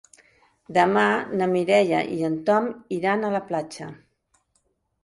Demà na Mireia i en Tom iran a la platja.